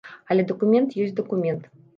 Але дакумент ёсць дакумент.